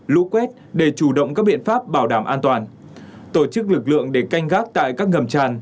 lũ quét để chủ động các biện pháp bảo đảm an toàn tổ chức lực lượng để canh gác tại các ngầm tràn